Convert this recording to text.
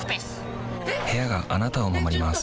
部屋があなたを守ります